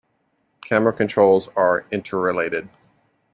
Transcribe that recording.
Camera controls are interrelated.